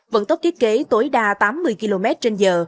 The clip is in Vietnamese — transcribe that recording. vận tốc thiết kế tối đa tám mươi km trên giờ